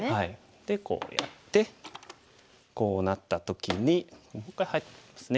でこうやってこうなった時にもう一回ハイですね。